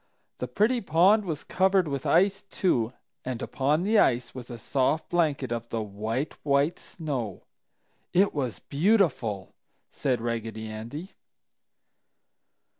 The pretty pond was covered with ice, too, and upon the ice was a soft blanket of the white, white snow. It was beautiful!" said Raggedy Andy.